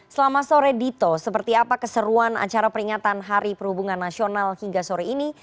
selamat sore dito seperti apa keseruan acara peringatan hari perhubungan nasional hingga sore ini